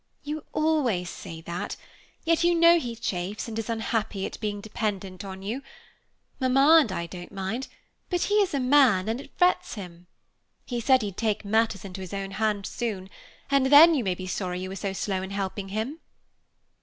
"You always say that, yet you know he chafes and is unhappy at being dependent on you. Mamma and I don't mind; but he is a man, and it frets him. He said he'd take matters into his own hands soon, and then you may be sorry you were so slow in helping him."